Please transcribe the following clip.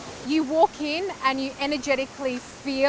ketika anda berjalan ke sini dan merasa energetiknya